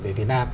về việt nam